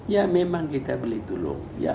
ya memang kita boleh tolong